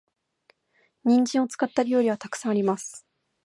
人参を使った料理は沢山あります。